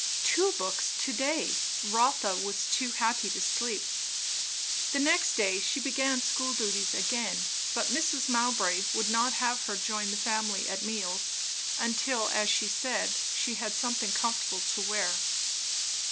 Two books to day! Rotha was too happy to sleep. The next day she began school duties again; but Mrs. Mowbray would not have her join the family at meals, until, as she said, she had something comfortable to wear.